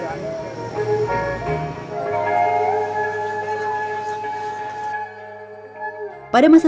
selain untuk lakukan perencapaian surat